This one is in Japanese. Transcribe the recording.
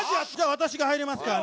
私が入ります。